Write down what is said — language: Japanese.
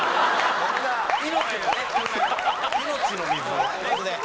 命の水。